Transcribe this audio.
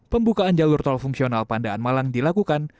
pembukaan jalur tol fungsional pandaan malang dilakukan